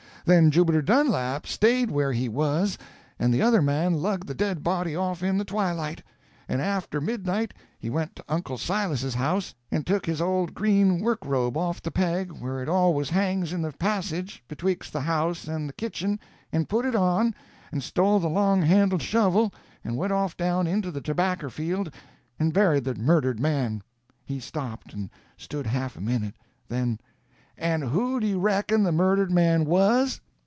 Then Jubiter Dunlap stayed where he was, and the other man lugged the dead body off in the twilight; and after midnight he went to Uncle Silas's house, and took his old green work robe off of the peg where it always hangs in the passage betwixt the house and the kitchen and put it on, and stole the long handled shovel and went off down into the tobacker field and buried the murdered man." He stopped, and stood half a minute. Then—"And who do you reckon the murdered man _was?